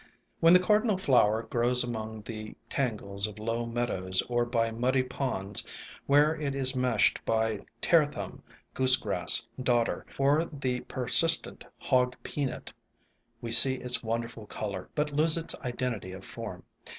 When the Cardinal Flower grows among the tangles of low meadows or by muddy ponds where ALONG THE WATERWAYS 55 it is meshed by Tear Thumb, Goose Grass, Dodder, or the persistent Hog Peanut, we see its wonderful color, but lose its identity of form.